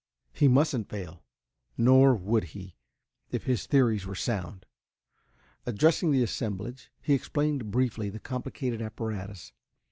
He mustn't fail nor would he, if his theories were sound. Addressing the assemblage, he explained briefly the complicated apparatus.